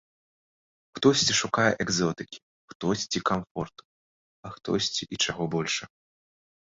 Хтосьці шукае экзотыкі, хтосьці камфорту, а хтосьці і чаго большага.